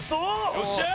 よっしゃー！